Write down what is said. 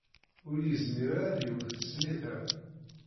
Ur yezmir ara ad yewt snitra.